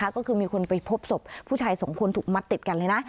ก็คือมีคนไปพบศพผู้ชายสองคนถูกมัดติดกันเลยนะ